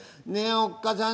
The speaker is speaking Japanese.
おっ母さん！